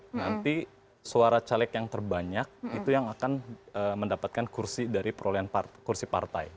nanti suara caleg yang terbanyak itu yang akan mendapatkan kursi dari perolehan kursi partai